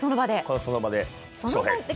その場で翔平と。